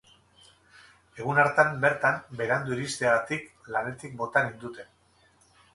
Egun hartan bertan berandu iristeagatik, lanetik bota ninduten.